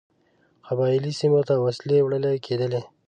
قبایلي سیمو ته وسلې وړلې کېدلې.